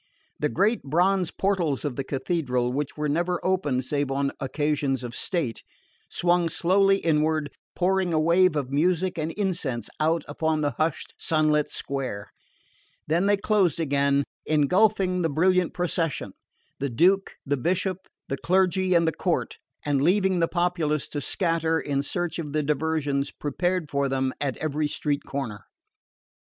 The great bronze portals of the Cathedral, which were never opened save on occasions of state, swung slowly inward, pouring a wave of music and incense out upon the hushed sunlit square; then they closed again, engulphing the brilliant procession the Duke, the Bishop, the clergy and the court and leaving the populace to scatter in search of the diversions prepared for them at every street corner.